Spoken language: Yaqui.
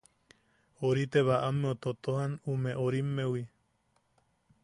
Orite baʼam ameu totojan ume orimmewi.